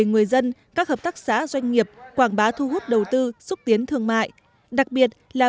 người dân các hợp tác xã doanh nghiệp quảng bá thu hút đầu tư xúc tiến thương mại đặc biệt là